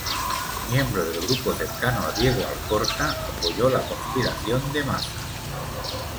Miembro del grupo cercano a Diego Alcorta, apoyó la conspiración de Maza.